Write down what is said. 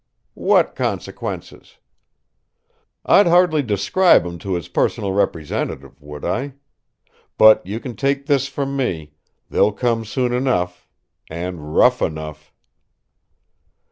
"What consequences?" "I'd hardly describe 'em to his personal representative, would I? But you can take this from me: they'll come soon enough and rough enough!"